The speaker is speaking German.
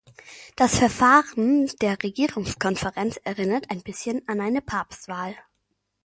Das Verfahren der Regierungskonferenz erinnert ein bisschen an eine Papstwahl.